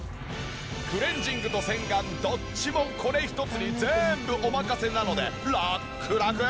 クレンジングと洗顔どっちもこれ一つに全部お任せなのでラックラク！